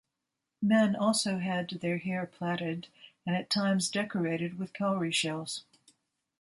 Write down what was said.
Men also had their hair plaited and at times decorated with cowrie shells.